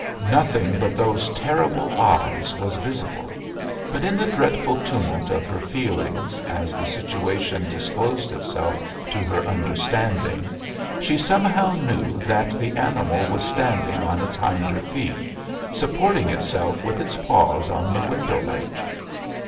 Nothing but those terrible eyes was visible, but in the dreadful tumult of her feelings as the situation disclosed itself to her understanding she somehow knew that the animal was standing on its hinder feet, supporting itself with its paws on the window ledge.